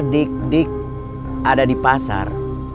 dik dik ada di pasar